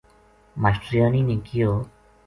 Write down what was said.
ماشٹریانی نے کہیو